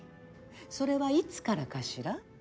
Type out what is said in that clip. それはいつからかしら？